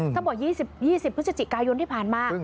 บอก๒๐๒๐พฤศจิกายนที่ผ่านมา